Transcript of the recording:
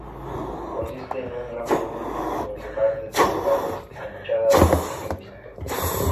Consiste en un gran volumen rectangular de tres plantas, con fachada ladrillo visto.